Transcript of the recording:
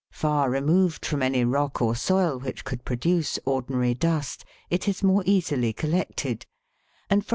3 and 4), far removed from any rock or soil which could produce ordinary dust, it is more easily collected; and, from his Fig.